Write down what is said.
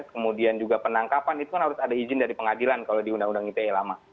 kemudian juga penangkapan itu kan harus ada izin dari pengadilan kalau di undang undang ite lama